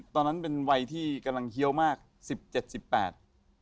ตอนนั้นเป็นวัยที่กำลังเคี้ยวมากสิบเจ็ดสิบแปด